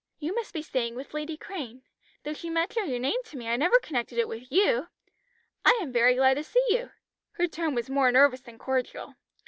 You must be staying with Lady Crane; though she mentioned your name to me I never connected it with you. I am very glad to see you." Her tone was more nervous than cordial.